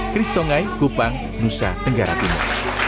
chris tongai kupang nusa tenggara timur